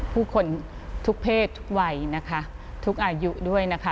ผู้คนทุกเพศทุกวัยนะคะทุกอายุด้วยนะคะ